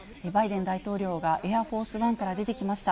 バイデン大統領がエアフォースワンから出てきました。